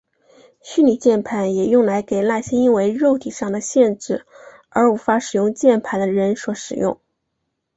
虚拟键盘也用来给那些因为肉体上的限制而无法使用键盘的人所使用。